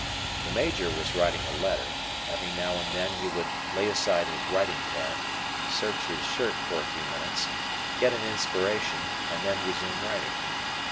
The major was writing a letter; every now and then he would lay aside his writing pad, search his shirt for a few minutes, get an inspiration, and then resume writing.